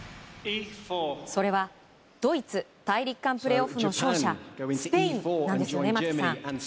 それはドイツ大陸間プレーオフの勝者スペインです。